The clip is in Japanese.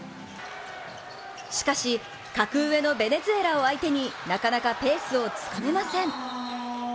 しかし、格上のベネズエラを相手になかなかペースをつかめません。